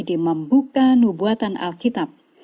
di membuka nubuatan alkitab